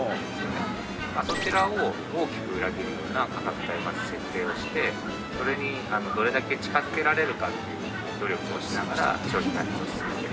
そちらを大きく裏切るような価格帯まず設定をしてそれにどれだけ近づけられるかっていう努力をしながら商品開発を。